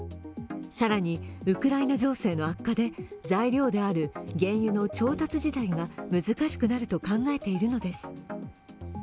更にウクライナ情勢の悪化で材料である原油の調達自体が難しくなると考えているのです。